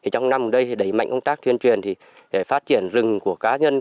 trong năm đây đẩy mạnh công tác tuyên truyền để phát triển rừng của cá nhân